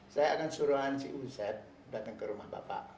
saya akan suruh si uz datang ke rumah bapak